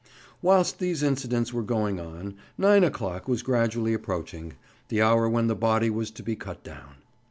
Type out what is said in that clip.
Whilst these incidents were going on, 9 o'clock was gradually approaching, the hour when the body was to be cut down.